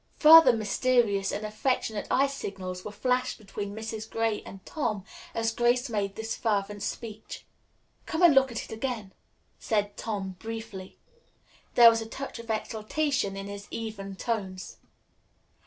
Further mysterious and affectionate eye signals were flashed between Mrs. Gray and Tom as Grace made this fervent speech. "Come and look at it again," said Tom briefly. There was a touch of exultation in his even tones.